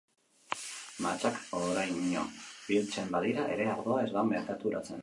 Mahatsak oraino biltzen badira ere ardoa ez da merkaturatzen.